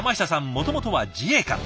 もともとは自衛官。